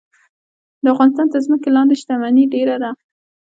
د افغانستان تر ځمکې لاندې شتمني ډیره ده